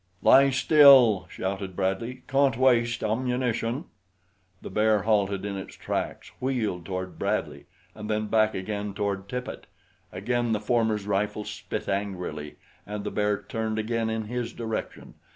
"Lie still!" shouted Bradley. "Can't waste ammunition." The bear halted in its tracks, wheeled toward Bradley and then back again toward Tippet. Again the former's rifle spit angrily, and the bear turned again in his direction.